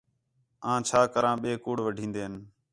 آں چھا کراں ٻئے کوڑ وڈھین٘دِن